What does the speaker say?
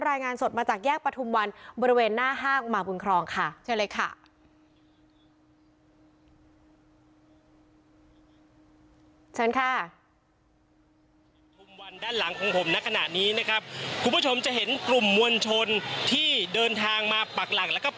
รายงานสดมาจากแยกประทุมวันบริเวณหน้าห้างหมาวุงครองค่ะ